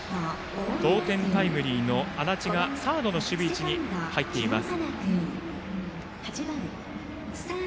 同点タイムリーの安達がサードの守備位置に入っています。